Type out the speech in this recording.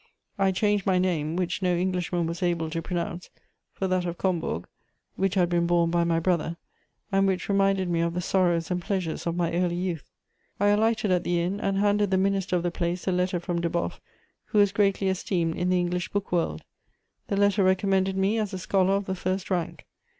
_ I changed my name, which no Englishman was able to pronounce, for that of Combourg, which had been borne by my brother, and which reminded me of the sorrows and pleasures of my early youth. I alighted at the inn, and handed the minister of the place a letter from Deboffe, who was greatly esteemed in the English book world. The letter recommended me as a scholar of the first rank.